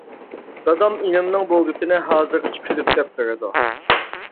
دادام ئىنىمنىڭ بۇ گېپىنى ھازىرغىچە كۈلۈپ دەپ بېرىدۇ.